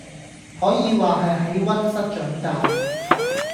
可以話係喺溫室長大⠀